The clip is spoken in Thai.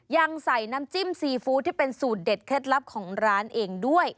ยังใส่น้ำจิ้มซีฟู้ดที่เป็นสูตรเด็ดเคล็ดลับของร้านเองด้วย